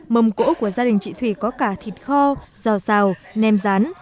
mầm cỗ của gia đình chị thủy có cả thịt kho giò xào nem rán